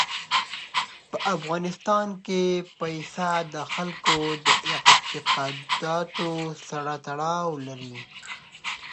په افغانستان کې پسه د خلکو د اعتقاداتو سره تړاو لري.